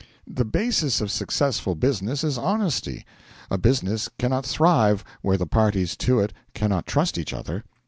The basis of successful business is honesty; a business cannot thrive where the parties to it cannot trust each other.